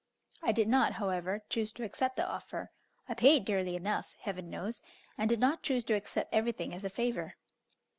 I did not, however, choose to accept the offer; I paid dearly enough, Heaven knows, and did not choose to accept everything as a favour.